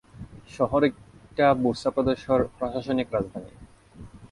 শহরটি বুরসা প্রদেশের প্রশাসনিক রাজধানী।